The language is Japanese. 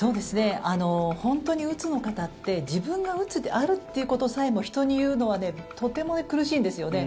本当にうつの方って自分がうつであるということさえも人に言うのはとても苦しいんですよね。